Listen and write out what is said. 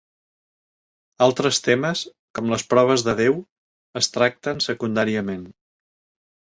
Altres temes, com les proves de Déu, es tracten secundàriament.